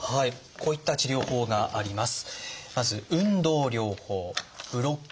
こういった治療法があります。